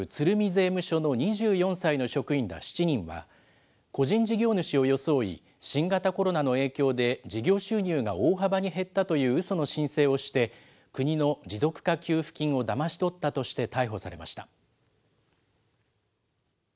税務署の２４歳の職員ら７人は、個人事業主を装い、新型コロナの影響で事業収入が大幅に減ったといううその申請をして、国の持続化給付金をだまし取ったとして逮捕されました。